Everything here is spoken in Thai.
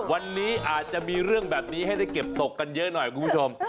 วันนี้อาจจะมีเรื่องแบบนี้ให้ได้เก็บตกกันเยอะหน่อยคุณผู้ชม